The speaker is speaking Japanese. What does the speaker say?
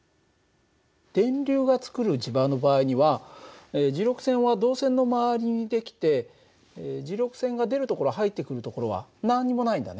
電流がつくる磁場の場合には磁力線は導線のまわりに出来て磁力線が出るところ入ってくるところは何にもないんだね。